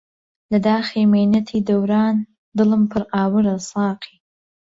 لە داخی مەینەتی دەوران دلم پر ئاورە ساقی